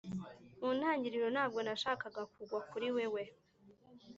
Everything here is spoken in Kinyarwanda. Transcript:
mu ntangiriro, ntabwo nashakaga kugwa kuri wewe